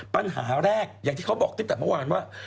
ปัญหาแรกอย่างที่เขาบอกตั้งแต่เมื่อวานว่า